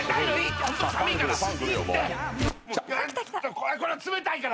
これ冷たいから！